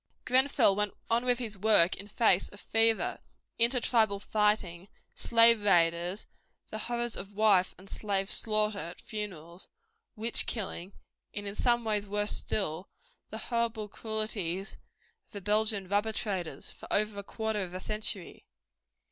Grenfell went on with his work in face of fever, inter tribal fighting, slave raiders, the horrors of wife and slave slaughter at funerals, witch killing and in some ways worse still, the horrible cruelties of the Belgian rubber traders for over a quarter of a century.